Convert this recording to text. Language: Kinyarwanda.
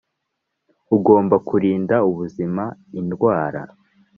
Ugomba kurinda ubuzima indwara